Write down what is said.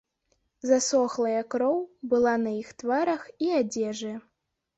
Засохлая кроў была на іх тварах і адзежы.